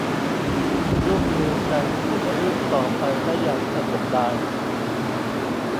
ร่วมมือกันขูดรีดต่อไปได้อย่างสะดวกดาย